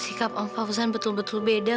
sikap om fauzan betul betul beda